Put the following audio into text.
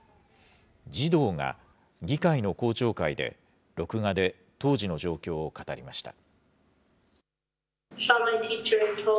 児童が議会の公聴会で、録画で当時の状況を語りました。